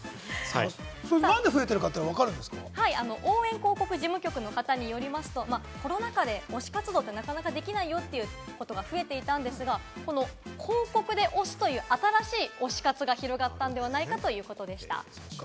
応援広告事務局の方によりますと、コロナ禍で推し活動がなかなかできないということが増えていたんですが、広告で推すという新しい推し活が広がったんではないかということでした。